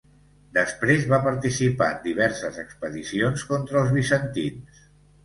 Després va participar en diverses expedicions contra els bizantins.